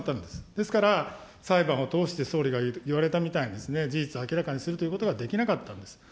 ですから、裁判を通して総理が言われたみたいにですね、事実明らかにするということはできなかったんです。